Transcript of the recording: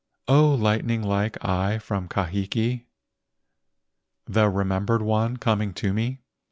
O lightning like eye from Kahiki, The remembered one coming to me.